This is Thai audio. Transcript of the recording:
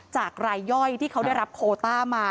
จากรายย่อยที่เขาได้รับโคต้ามา